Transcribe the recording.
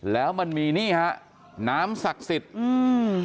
แล้วมันมีนี่ฮะน้ำศักดิ์สิทธิ์อืม